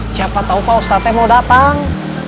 siapa tahu pak ustadznya mau datang